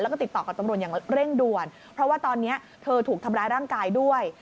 แล้วก็ติดต่อกับตำรวจอย่างเร่งด่วนเพราะว่าตอนนี้เธอถูกทำร้ายร่างกายด้วย